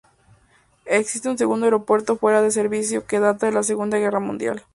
Existe un segundo aeropuerto fuera de servicio que data de la Segunda Guerra Mundial.